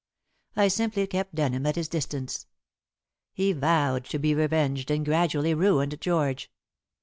I simply kept Denham at his distance. He vowed to be revenged, and gradually ruined George.